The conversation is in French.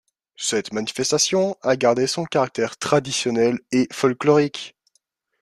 Cette manifestation a gardé son caractère traditionnel et folklorique.